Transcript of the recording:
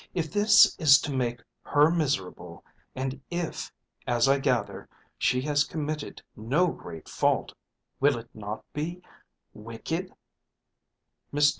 If this is to make her miserable, and if, as I gather, she has committed no great fault, will it not be wicked?"